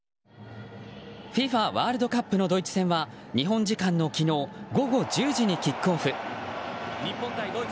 ワールドカップのドイツ戦は日本時間の昨日午後１０時にキックオフ。